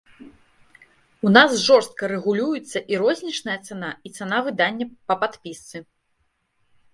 У нас жорстка рэгулюецца і рознічная цана, і цана выдання па падпісцы.